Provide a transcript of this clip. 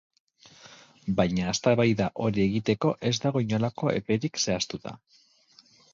Baina eztabaida hori egiteko ez dago inolako eperik zehaztuta.